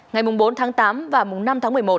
ngày bốn tháng tám và năm tháng một mươi một